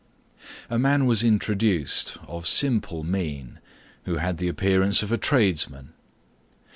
A man was introduced of simple mien, who had the appearance of a tradesman.